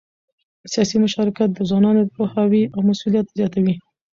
سیاسي مشارکت د ځوانانو د پوهاوي او مسؤلیت زیاتوي